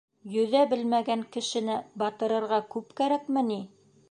Йөҙә белмәгән кешене батырырға күп кәрәкме ни?